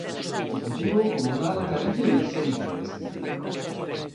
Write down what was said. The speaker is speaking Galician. O futuro como tal carece de urxencia e de sentido.